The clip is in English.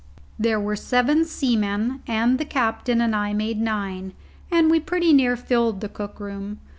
There were seven seamen and the captain and I made nine, and we pretty nearly filled the cook room.